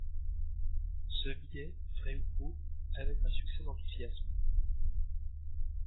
Ce billet, vrai ou faux, avait un succès d’enthousiasme.